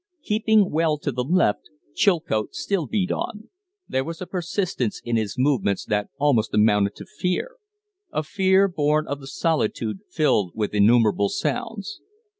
Keeping well to the left, Chilcote still beat on; there was a persistence in his movements that almost amounted to fear a fear born of the solitude filled with innumerable sounds.